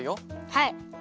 はい。